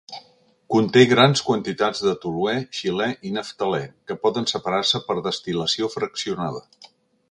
Conté grans quantitats de toluè, xilè i naftalè, que poden separar-se per destil·lació fraccionada.